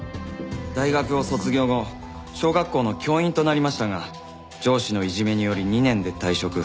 大学を卒業後小学校の教員となりましたが上司のいじめにより２年で退職。